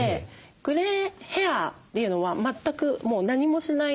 グレイヘアというのは全くもう何もしない素の状態。